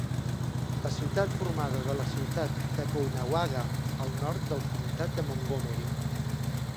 La ciutat formada de la ciutat de Caughnawaga, al nord del comtat de Montgomery.